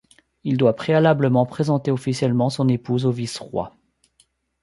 Il doit préalablement présenter officiellement son épouse au vice-roi.